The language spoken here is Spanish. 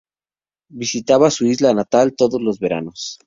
Visitaba su isla natal todos los veranos.